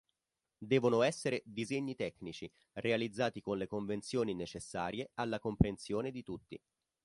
Devono essere disegni tecnici realizzati con le convenzioni necessarie alla comprensione di tutti.